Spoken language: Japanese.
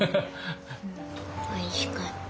おいしかった。